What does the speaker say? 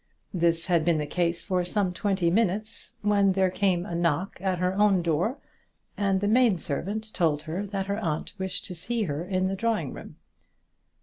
This had been the case for some twenty minutes, when there came a knock at her own door, and the maid servant told her that her aunt wished to see her in the drawing room.